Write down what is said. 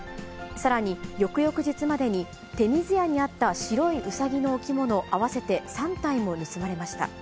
さらに、翌々日までに手水舎にあった白いうさぎの置物合わせて３体も盗まれました。